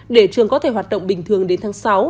để trường có thể hoạt động bình thường đến tháng sáu